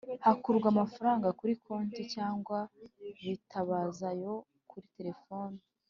Hakurwa amafaranga kuri konti cyangwa bitabaza ayo kuri telefoni